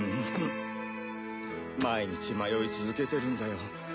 毎日迷い続けてるんだよ。